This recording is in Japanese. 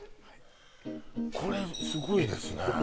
はいこれすごいですね